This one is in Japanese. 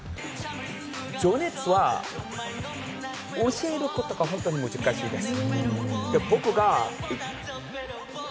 情熱は教えることが本当に難しいです。